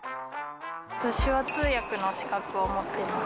私は手話通訳の資格を持ってます。